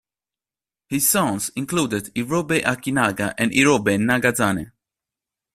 His sons included Irobe Akinaga and Irobe Nagazane.